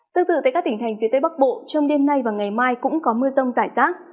tương tự tại các tỉnh thành phía tây bắc bộ trong đêm nay và ngày mai cũng có mưa rông rải rác